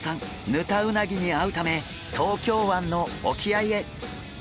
ヌタウナギに会うため東京湾の沖合へ。